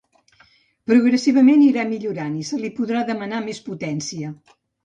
Progressivament ira millorant i se li podrà demanar més potència.